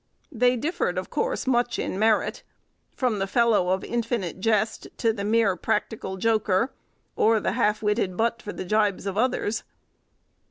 They differed of course much in merit, from the fellow of infinite jest to the mere practical joker, or the half witted butt for the gibes of others.